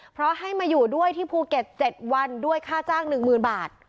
เพราะให้มาอยู่ด้วยที่ภูเก็ตเจ็ดวันด้วยค่าจ้างหนึ่งหมื่นบาท